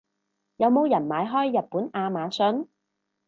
有冇人買開日本亞馬遜？